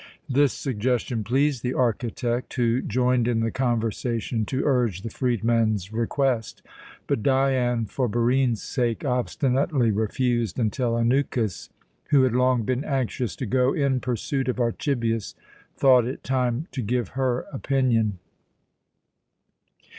This suggestion pleased the architect, who joined in the conversation to urge the freedman's request. But Dion, for Barine's sake, obstinately refused, until Anukis, who had long been anxious to go in pursuit of Archibius, thought it time to give her opinion.